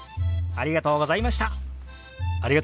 ありがとうございます。